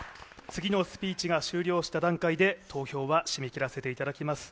次のスピーチが終了した段階で投票を締め切らせていただきます。